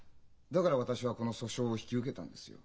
だから私はこの訴訟を引き受けたんですよ。